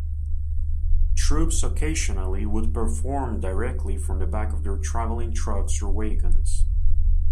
Troupes occasionally would perform directly from the back of their traveling trucks or wagons.